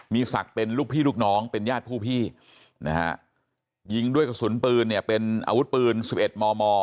มีศักดิ์เป็นลูกพี่ลูกน้องเป็นญาติผู้พี่นะฮะยิงด้วยกระสุนปืนเนี่ยเป็นอาวุธปืน๑๑มม